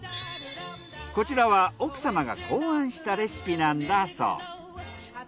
こちらは奥様が考案したレシピなんだそう。